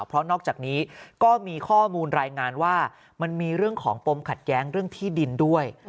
เพราะนอกจากนี้ก็มีข้อมูลรายงานว่ามันมีเรื่องของปมขัดแย้งเรื่องที่ดินด้วย